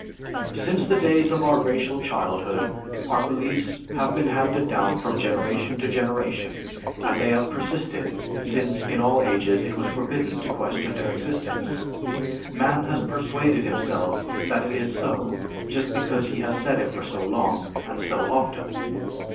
Since the days of our racial childhood, our beliefs have been handed down from generation to generation, and they have persisted since in all ages it was forbidden to question their existence. Man has persuaded himself that it is so just because he has said it for so long and so often.